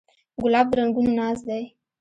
ګلاب د رنګونو ناز دی.